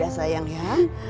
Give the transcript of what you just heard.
udah sayang ya